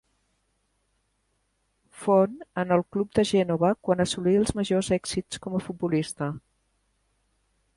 Fon en el club de Gènova quan assolí els majors èxits com a futbolista.